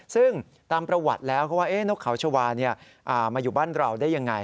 ซึ่งตามประวัติแล้วเขาว่านกเขาชาวามาอยู่บ้านเราได้ยังไง